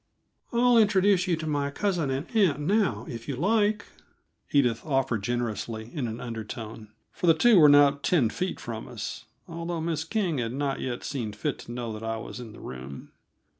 "I'll introduce you to my cousin and aunt now, if you like," Edith offered generously, in an undertone for the two were not ten feet from us, although Miss King had not yet seen fit to know that I was in the room.